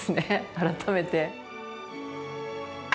改めて。